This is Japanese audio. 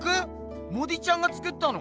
モディちゃんが作ったの？